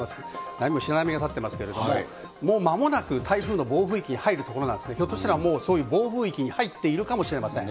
波も白波が立ってますけど、もうまもなく台風の暴風域に入るところなんですが、ひょっとしたらもうそういう暴風域に入っているかもしれません。